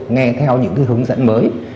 nghe theo những cái hướng dẫn mới